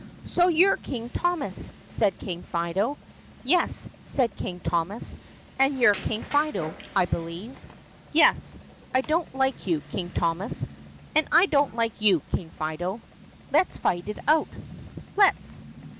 "So you' re King Thomas?" said King Fido. "Yes," said King Thomas. "And you 're King Fido, I be lieve?" "Yes. I don't like you, King Thomas." "And I don't like you, King Fido." "Let 's fight it out." "Let 's."